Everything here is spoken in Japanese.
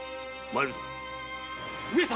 参るぞ！